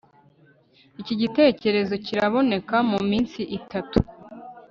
iki gitekerezo kiraboneka muminsi itanu